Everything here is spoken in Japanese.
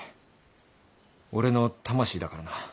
俺の魂だからな。